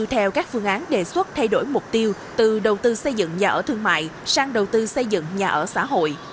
theo các phương án đề xuất thay đổi mục tiêu từ đầu tư xây dựng nhà ở thương mại sang đầu tư xây dựng nhà ở xã hội